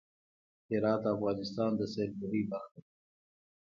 هرات د افغانستان د سیلګرۍ برخه ده.